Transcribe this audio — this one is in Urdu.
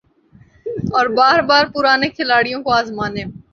اور بار بار پرانے کھلاڑیوں کو آزمانے